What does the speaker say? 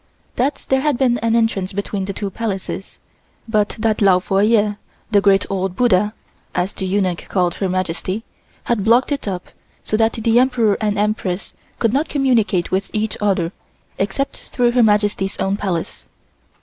That there had been an entrance between the two Palaces, but that Lao Fo Yeh (The great old Buddha), as the eunuchs called Her Majesty, had blocked it up so that the Emperor and Empress could not communicate with each other, except through Her Majesty's own Palace.